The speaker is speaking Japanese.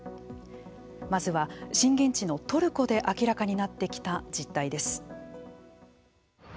まずは、震源地のトルコで明らかになってきた実態です。